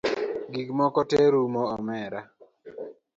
Gikmoko te rumo omera